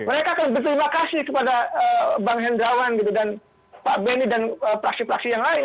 mereka akan berterima kasih kepada bang hendrawan gitu dan pak benny dan praksi praksi yang lain